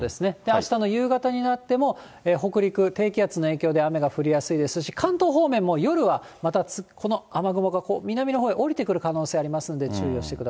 あしたの夕方になっても、北陸、低気圧の影響で、雨が降りやすいですし、関東方面も夜はまたこの雨雲が南のほうへ降りてくる可能性があり